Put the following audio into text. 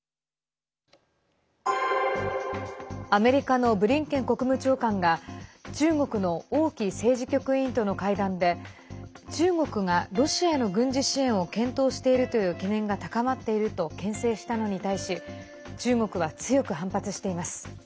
アメリカのブリンケン国務長官が中国の王毅政治局委員との会談で中国がロシアへの軍事支援を検討しているという懸念が高まっているとけん制したのに対し中国は強く反発しています。